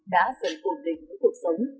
đã dần ổn định với cuộc sống